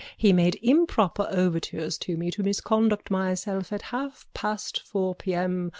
He made improper overtures to me to misconduct myself at half past four p.m.